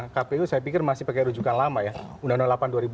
kpu saya pikir masih pakai rujukan lama ya undang undang delapan dua ribu tujuh belas